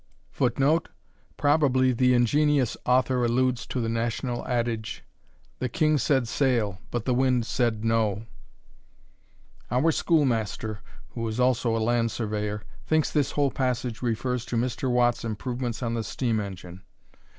[Footnote: Probably the ingenious author alludes to the national adage: The king said sail, But the wind said no. Our schoolmaster (who is also a land surveyor) thinks this whole passage refers to Mr. Watt's improvements on the steam engine.